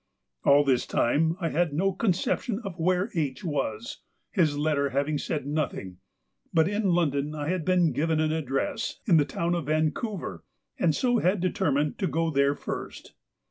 All this time I had no conception of where H. was, his letter having said nothing, but in London I had been given an address in the town of Vancouver, and so had determined to go there first.